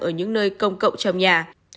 ở những nơi công cộng trong nhà